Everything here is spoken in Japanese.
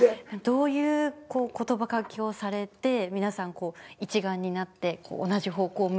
どういう言葉掛けをされて皆さん一丸になって同じ方向を向こうって思われるんですか？